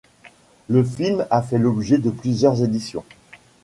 Le film a fait l'objet de plusieurs éditions.